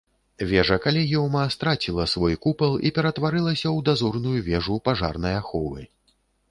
Вежа калегіума страціла свой купал і ператварылася ў дазорную вежу пажарнай аховы.